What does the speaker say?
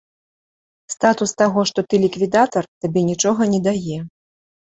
Статус таго, што ты ліквідатар, табе нічога не дае.